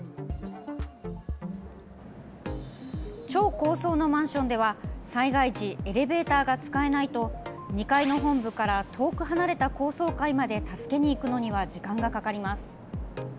超高層のマンションでは、災害時エレベーターが使えないと２階の本部から遠く離れた高層階まで助けに行くのには時間がかかります。